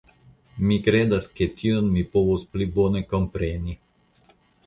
Mi kredas ke tion mi povus pli bone kompreni.